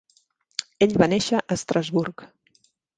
Ell va néixer a Estrasburg.